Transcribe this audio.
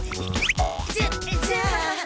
じゃじゃあ。